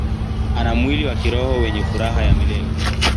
Ana mwili wa kiroho wenye furaha ya milele.